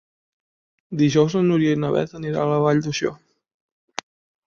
Dijous na Núria i na Beth aniran a la Vall d'Uixó.